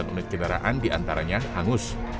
sembilan unit kendaraan diantaranya hangus